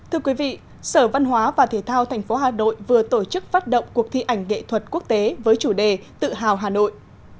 thưa quý vị sở văn hóa và thể thao tp hà nội vừa tổ chức phát động cuộc thi ảnh nghệ thuật quốc tế với chủ đề tự hào hà nội